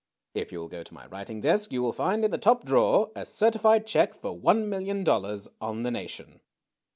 If you will go to my writing desk you will find in the top drawer a certified check for one million dollars on the Nation.